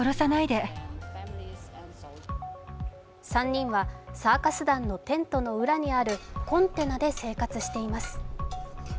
３人はサーカス団のテントの裏にあるコンテナで生活しています。